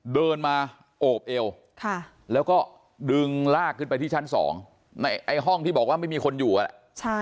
เดินมาโอบเอวแล้วก็ดึงลากขึ้นไปที่ชั้นสองในไอ้ห้องที่บอกว่าไม่มีคนอยู่อ่ะใช่